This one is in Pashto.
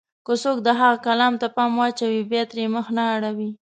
که څوک د هغه کلام ته پام واچوي، بيا ترې مخ نه اړوي.